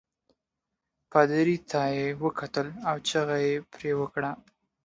پادري ته یې وکتل او چغه يې پرې وکړل.